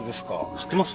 知ってます？